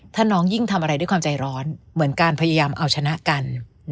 ถ้าน้องยิ่งทำอะไรด้วยความใจร้อนเหมือนการพยายามเอาชนะกัน